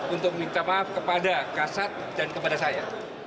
untuk meminta maaf kepada kasat dan kepada saya